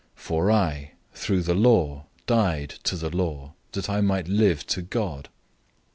002:019 For I, through the law, died to the law, that I might live to God.